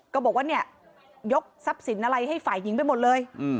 ก็บอกว่าเนี่ยยกทรัพย์สินอะไรให้ฝ่ายหญิงไปหมดเลย